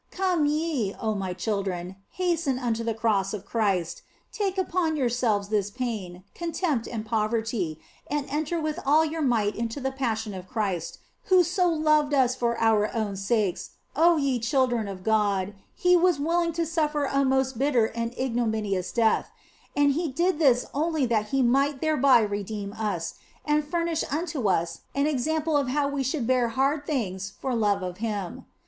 Come ye, oh my children, hasten unto the Cross of Christ, take upon yourselves this pain, contempt, and poverty, and enter with all your might into the Passion of Christ, who so loved us that for our sakes, oh ye chil dren of God, was He willing to suffer a most bitter and ignominious death ; and He did this only that He might thereby redeem us and furnish unto us an example of how we should bear hard things for love of Him.